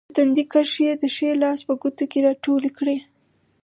د تندي کرښې یې د ښي لاس په ګوتو کې راټولې کړې.